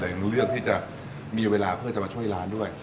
แต่ยังเลือกที่จะมีเวลาเพื่อจะมาช่วยร้านด้วย